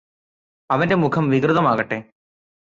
അവന്റെ മുഖം വികൃതമാകട്ടെ